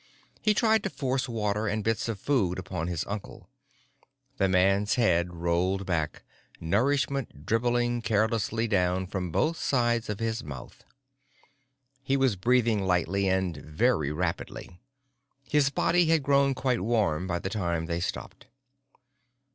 He tried to force water and bits of food upon his uncle. The man's head rolled back, nourishment dribbling carelessly down from both sides of his mouth. He was breathing lightly and very rapidly. His body had grown quite warm by the time they stopped.